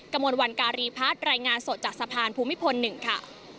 มวลวันการีพัฒน์รายงานสดจากสะพานภูมิพล๑ค่ะ